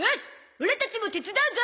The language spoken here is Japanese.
オラたちも手伝うゾ！